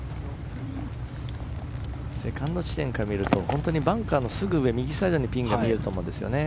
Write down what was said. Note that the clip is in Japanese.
セカンド地点から見るとバンカーのすぐ上右サイドにピンが見えると思うんですよね。